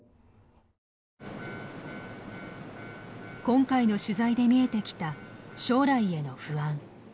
今回の取材で見えてきた将来への不安。